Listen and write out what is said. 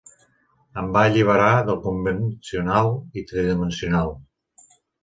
Em va alliberar del convencional i tridimensional.